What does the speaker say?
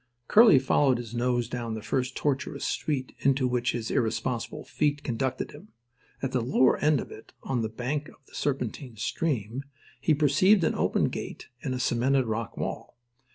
Curly followed his nose down the first tortuous street into which his irresponsible feet conducted him. At the lower end of it, on the bank of the serpentine stream, he perceived an open gate in a cemented rock wall.